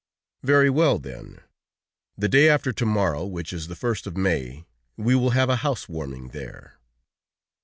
Very well, then! The day after to morrow, which is the first of May, we will have a house warming there."